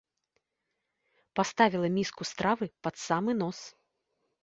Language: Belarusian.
Паставіла міску стравы пад самы нос.